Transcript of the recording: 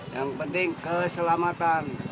yang penting keselamatan